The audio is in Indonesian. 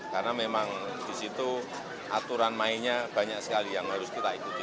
karena memang di situ aturan mainnya banyak sekali yang harus kita ikuti